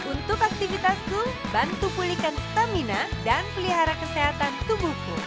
untuk aktivitasku bantu pulihkan stamina dan pelihara kesehatan tubuhku